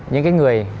những cái người